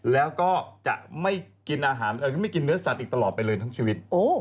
แล้วก็จะไม่กินอาหารไม่กินเนื้อสัตว์อีกตลอดไปเลยทั้งชีวิต